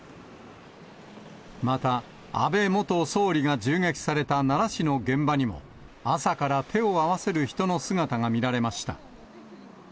また、安倍元総理が銃撃された奈良市の現場にも、朝から手を合わせる人の姿が見られました。